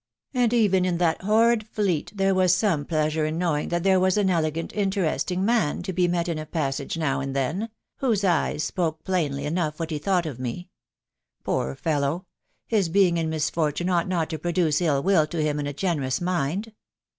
„ and even in that horrid Fleet there was some pleasure m knowing that there was an elegant, interesting man, to he met in a passage now and then .... whose eyes spoke plainly enough what he thought of me. •.... Poor fellow ! His being in misfortune ought not to produce ill will : in a generous mind